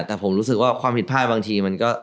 แต่ผมรู้สึกว่าความผิดพลาดบางทีมันก็